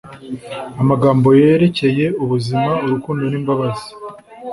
Amagambo Yerekeye Ubuzima, Urukundo n'imbabazi